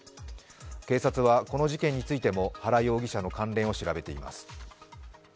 警察はこの事件についても原容疑者の関連を調べています。